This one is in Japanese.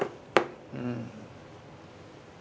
うん。